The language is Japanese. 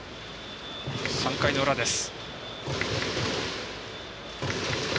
３回の裏です。